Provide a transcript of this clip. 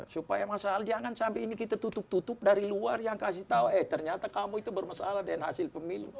supaya masalah jangan sampai ini kita tutup tutup dari luar yang kasih tahu eh ternyata kamu itu bermasalah dengan hasil pemilu